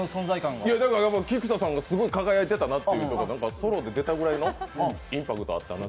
菊田さんがすごい輝いてたなと、ソロで出てたくらいのインパクトがあったなと。